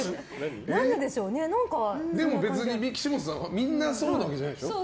でも、別にみんなそういうわけじゃないでしょ？